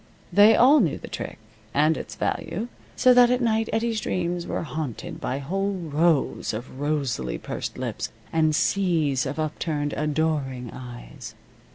They all knew the trick, and its value, so that at night Eddie's dreams were haunted by whole rows of rosily pursed lips, and seas of upturned, adoring eyes.